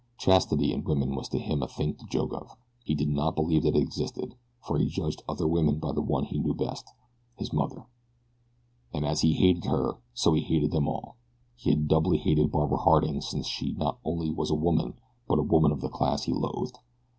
Chastity in woman was to him a thing to joke of he did not believe that it existed; for he judged other women by the one he knew best his mother. And as he hated her, so he hated them all. He had doubly hated Barbara Harding since she not only was a woman, but a woman of the class he loathed.